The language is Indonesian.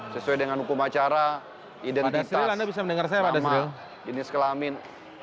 sesuai dengan hukum acara identitas nama jenis kelamin